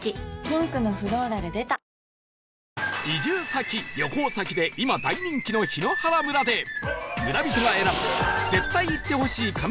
ピンクのフローラル出た移住先旅行先で今大人気の檜原村で村人が選ぶ絶対行ってほしい神